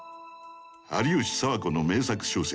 有吉佐和子の名作小説